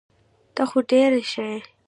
ته خو ډير ښه يي .